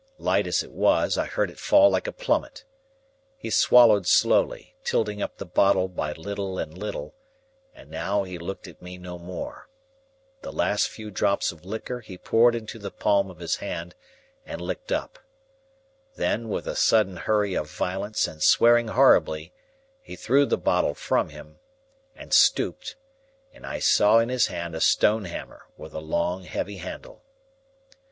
Light as it was, I heard it fall like a plummet. He swallowed slowly, tilting up the bottle by little and little, and now he looked at me no more. The last few drops of liquor he poured into the palm of his hand, and licked up. Then, with a sudden hurry of violence and swearing horribly, he threw the bottle from him, and stooped; and I saw in his hand a stone hammer with a long heavy handle.